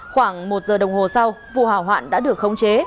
khoảng một giờ đồng hồ sau vụ hỏa hoạn đã được khống chế